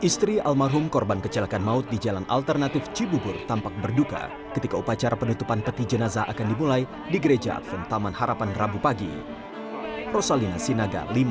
sampai jumpa di video selanjutnya